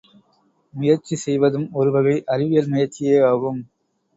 முயற்சி செய்வதும் ஒருவகை அறிவியல் முயற்சியேயாகும்.